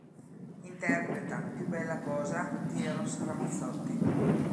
Interpreta "Più bella cosa" di Eros Ramazzotti.